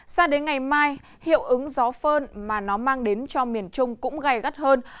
sao đến ngày mai hiệu ứng gió phơn mà nó mang đến cho miền trung cũng gây gắt hơn